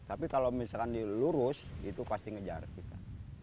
tapi kalau misalkan di lurus itu pasti ngejar kita